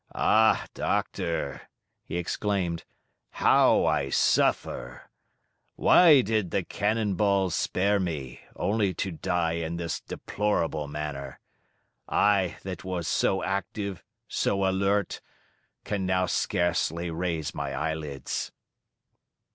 "Ah! doctor," he exclaimed, "how I suffer! Why did the cannon balls spare me only to die in this deplorable manner? I that was so active, so alert, can now scarcely raise my eyelids!"